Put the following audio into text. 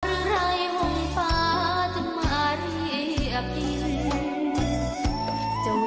เมื่อไหร่ห่วงฟ้าจะมาที่เหยียบกิน